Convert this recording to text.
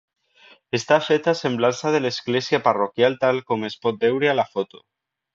Està feta a semblança de l'església parroquial tal com es pot veure a la foto.